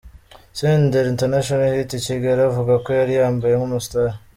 Senderi International Hit i Kigali avuga ko yari yambaye nk’umustar.